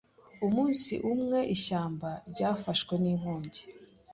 Umunsi umwe ishyamba ryafashwe n’inkongi